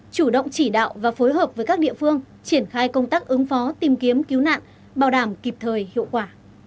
chủ động chỉ đạo và phối hợp với các địa phương triển khai công tác ứng phó tìm kiếm cứu nạn bảo đảm kịp thời hiệu quả